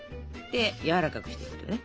やわらかくしていくのね。